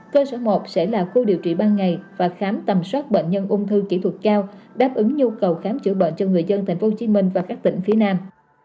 cơ sở một sẽ là khu điều trị ban ngày và khám tầm soát bệnh nhân ung thư kỹ thuật cao đáp ứng nhu cầu khám chữa bệnh cho người dân tp hcm và các tỉnh phía nam